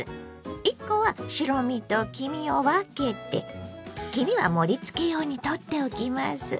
１コは白身と黄身を分けて黄身は盛りつけ用にとっておきます。